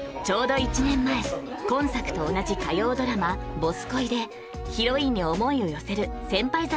ちょうど１年前今作と同じ火曜ドラマ「ボス恋」でヒロインに思いを寄せる先輩